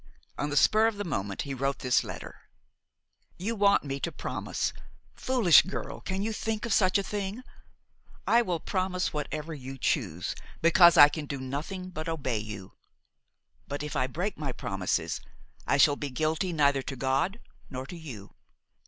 On the spur of the moment he wrote this letter: "You want me to promise. Foolish girl, can you think of such a thing? I will promise whatever you choose, because I can do nothing but obey you; but, if I break my promises I shall be guilty neither to God nor to you.